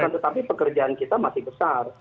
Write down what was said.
tetapi pekerjaan kita masih besar